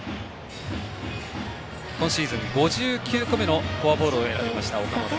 今シーズン５９個目のフォアボールを選びました、岡本。